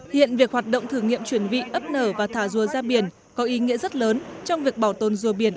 hiện việc hoạt động thử nghiệm chuyển vị ấp nở và thả rùa ra biển có ý nghĩa rất lớn trong việc bảo tồn rùa biển